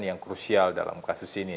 yang krusial dalam kasus ini